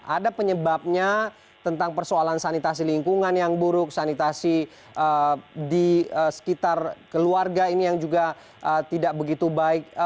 ada penyebabnya tentang persoalan sanitasi lingkungan yang buruk sanitasi di sekitar keluarga ini yang juga tidak begitu baik